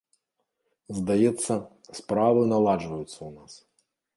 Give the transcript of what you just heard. Здаецца, справы наладжваюцца ў нас.